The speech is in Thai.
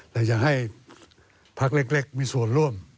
แต่อย่าให้พักเล็กมีส่วนร่วม